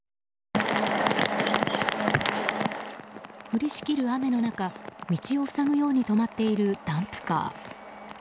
降りしきる雨の中道を塞ぐように止まっているダンプカー。